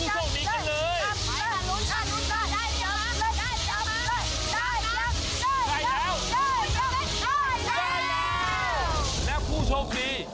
โกยเลยโกยเลยโกยเลย